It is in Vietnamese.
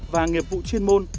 và nghiệp vụ chuyên môn